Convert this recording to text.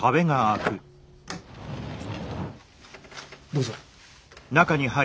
どうぞ。